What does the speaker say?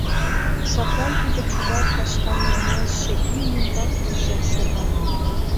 Садлан тудо кӱвар каштам нумалше ий ӱмбак кӱзен шогалын.